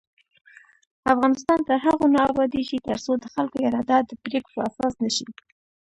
افغانستان تر هغو نه ابادیږي، ترڅو د خلکو اراده د پریکړو اساس نشي.